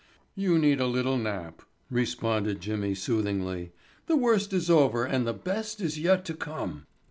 "You need a little nap," responded Jimmy soothingly. "The worst is over and the best is yet to come.